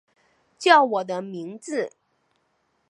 叫我的名字